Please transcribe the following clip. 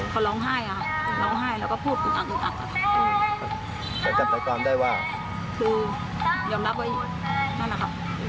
เขาร้องไห้แล้วก็พูดอึงอักอึ้งอัก